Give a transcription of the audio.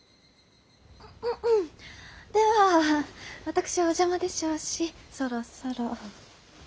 では私はお邪魔でしょうしそろそろ。